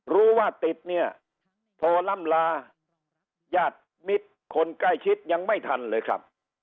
รู้ว่าติดเนี่ยโทรล่ำลาญาติมิตรคนใกล้ชิดยังไม่ทันเลยครับ